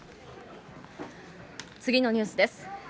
次のニュースです。